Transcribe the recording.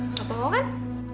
bapak mau kan